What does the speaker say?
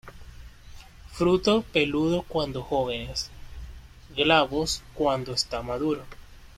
Fruto peludo cuando jóvenes, glabros cuando está maduro.